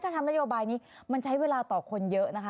ถ้าทำนโยบายนี้มันใช้เวลาต่อคนเยอะนะคะ